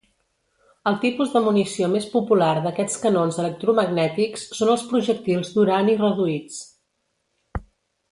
El tipus de munició més popular d'aquests canons electromagnètics són els projectils d'urani reduïts.